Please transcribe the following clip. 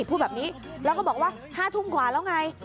พูดแบบนี้แล้วก็บอกว่า๕ทุ่มกว่าแล้วไง